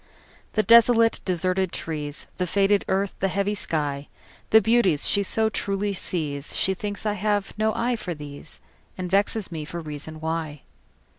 The desolate, deserted trees, The faded earth, the heavy sky, The beauties she so truly sees, She thinks I have no eye for these, And vexes me for reason why.